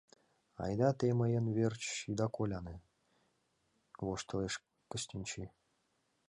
— Айда те мыйын верч ида коляне, — хе-хе воштылеш Кыстинчи.